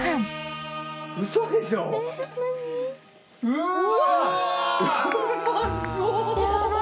うまそう。